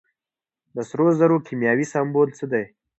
د سرو زرو کیمیاوي سمبول څه دی.